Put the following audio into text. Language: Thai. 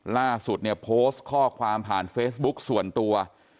ล่าสุดเนี่ยโพสต์ข้อความผ่านเฟซบุ๊กส่วนตัว